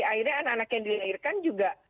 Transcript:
akhirnya anak anak yang dilahirkan juga